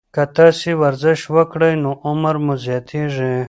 که تاسي ورزش وکړئ، نو عمر مو زیاتیږي.